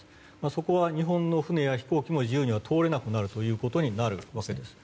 そこは日本の船や飛行機も自由には通れなくなることになるわけです。